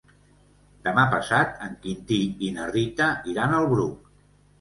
Demà passat en Quintí i na Rita iran al Bruc.